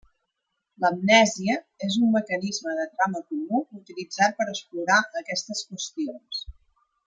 L'amnèsia és un mecanisme de trama comú utilitzat per explorar aquestes qüestions.